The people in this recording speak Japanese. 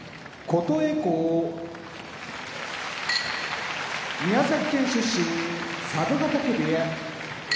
琴恵光宮崎県出身佐渡ヶ嶽部屋